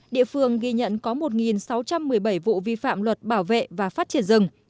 địa phương ghi nhận có một sáu trăm một mươi bảy vụ vi phạm luật bảo vệ và phát triển rừng